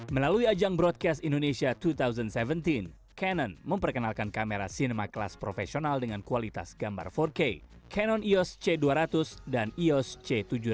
melalui ajang broadcast indonesia dua ribu tujuh belas canon memperkenalkan kamera cinema kelas profesional dengan kualitas gambar empat k canon ios c dua ratus dan ios c tujuh ratus